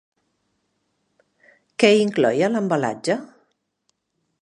Què incloïa l'embalatge?